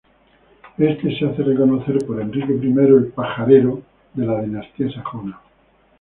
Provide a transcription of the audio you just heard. Este se hace reconocer por Enrique I el Pajarero, de la Dinastía Sajona.